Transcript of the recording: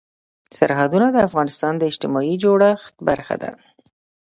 سرحدونه د افغانستان د اجتماعي جوړښت برخه ده.